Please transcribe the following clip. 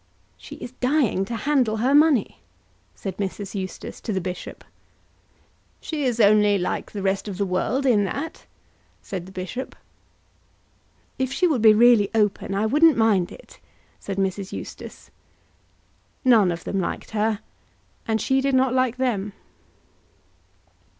"She is dying to handle her money," said Mrs. Eustace to the bishop. "She is only like the rest of the world in that," said the bishop. "If she would be really open, I wouldn't mind it," said Mrs. Eustace. None of them liked her, and she did not like them.